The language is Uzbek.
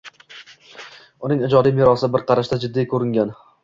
Uning ijodiy merosi bir qarashda oddiy ko’ringan.